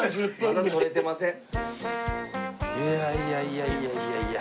いやいやいやいやいやいや。